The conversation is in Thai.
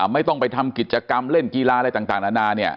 ไม่ต้องไปทำกิจกรรมเล่นกีฬาอะไรต่างนานาเนี่ย